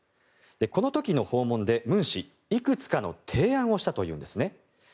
この時の訪問でムン氏はいくつかの提案をしたというんです。